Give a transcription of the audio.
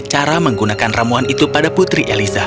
cara menggunakan ramuan itu pada putri eliza